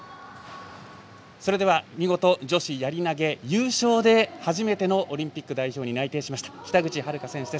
見事、女子やり投げ優勝で初めてのオリンピック代表に内定しました北口榛花選手です。